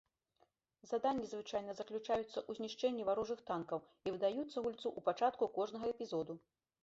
Заданні звычайна заключаюцца ў знішчэнні варожых танкаў і выдаюцца гульцу ў пачатку кожнага эпізоду.